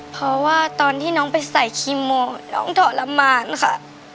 เพราะว่าตอนที่น้องไปใส่คีโมน้องทรมานค่ะ